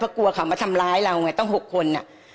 เพราะกลัวเขามาทำร้ายเราไงต้องหกคนอ่ะ